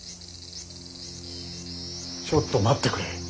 ちょっと待ってくれ。